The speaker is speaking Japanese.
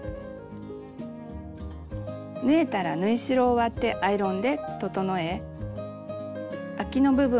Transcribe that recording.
縫えたら縫い代を割ってアイロンで整えあきの部分は